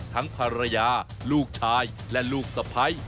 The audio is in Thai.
ทั้งภรรยาลูกชายและลูกสะพ้าย